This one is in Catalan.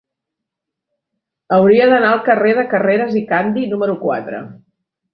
Hauria d'anar al carrer de Carreras i Candi número quatre.